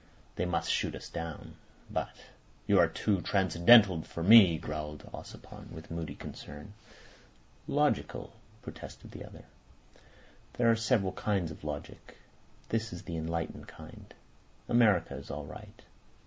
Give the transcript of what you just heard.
They may shoot us down, but—" "You are too transcendental for me," growled Ossipon, with moody concern. "Logical," protested the other. "There are several kinds of logic. This is the enlightened kind. America is all right.